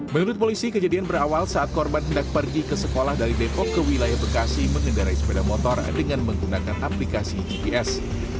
menurut polisi kejadian berawal saat korban hendak pergi ke sekolah dari depok ke wilayah bekasi mengendarai sepeda motor dengan menggunakan aplikasi gps